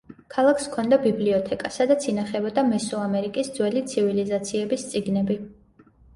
ქალაქს ჰქონდა ბიბლიოთეკა, სადაც ინახებოდა მესოამერიკის ძველი ცივილიზაციების წიგნები.